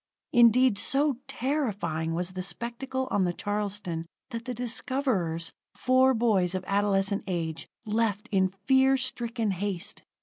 Indeed, so terrifying was the spectacle on the Charleston, that the discoverers, four boys of adolescent age, left in fear stricken haste.